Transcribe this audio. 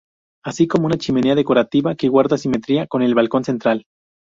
Así como una chimenea decorativa que guarda simetría con el balcón central.